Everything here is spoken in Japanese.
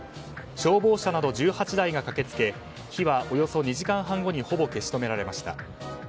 消防車など１８台が駆け付け火はおよそ２時間半後にほぼ消し止められました。